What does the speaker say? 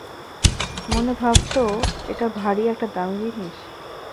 মনে ভাবছ, এটা ভারি একটা দামি জিনিস!